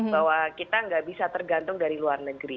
bahwa kita nggak bisa tergantung dari luar negeri